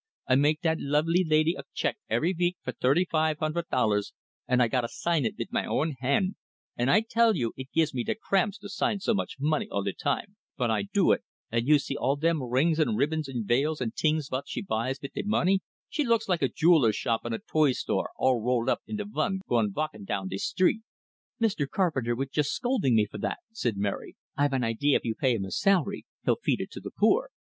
I make dat lovely lady a check every veek fer tirty five hunded dollars, an' I gotta sign it vit my own hand, and I tell you it gives me de cramps to sign so much money all de time, but I do it, and you see all dem rings and ribbons and veils and tings vot she buys vit de money, she looks like a jeweler's shop and a toy store all rolled into vun goin' valkin' down de street." "Mr. Carpenter was just scolding me for that," said Mary. "I've an idea if you pay him a salary, he'll feed it to the poor."